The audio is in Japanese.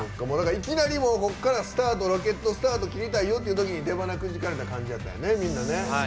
いきなり、ここからロケットスタート切りたいよっていうときに出ばなくじかれた感じやったんやね。